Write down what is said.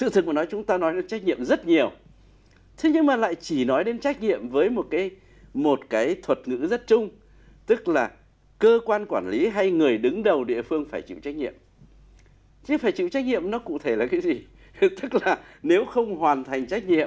thế nhưng mà chúng ta không có những chỉ số này